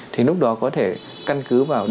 thì lúc đó có thể căn cứ vào